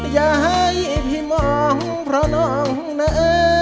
อย่าให้พี่มองเพราะน้องนะ